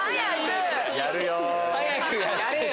早くやれよ！